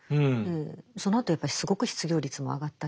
そのあとやっぱりすごく失業率も上がったし。